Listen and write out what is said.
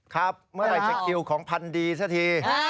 ครับเมื่อไหร่จะคิวของพันธุ์ดีสักที